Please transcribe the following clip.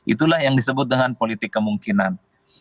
itulah yang disebut dengan politik kemungkinan